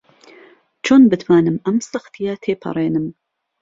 چۆن بتوانم ئەم سەختییە تێپەڕێنم؟